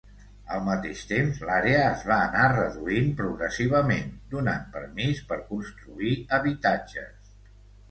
Al mateix temps, l'àrea es va anar reduint progressivament, donant permís per construir habitatges.